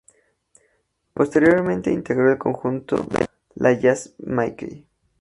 Posteriormente integró el conjunto "La jazz Mickey".